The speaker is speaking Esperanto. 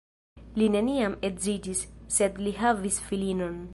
Li neniam edziĝis, sed li havis filinon.